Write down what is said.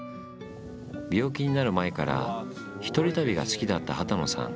病気になる前から１人旅が好きだった幡野さん。